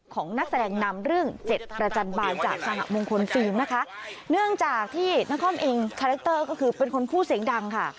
นักแสดงนำเรื่องเจ็ดประจันบาลจากสหมงคลฟิล์มนะคะเนื่องจากที่นครเองคาแรคเตอร์ก็คือเป็นคนคู่เสียงดังค่ะ